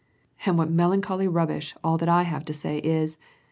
" And what melancholy rubbish, all that I have to say is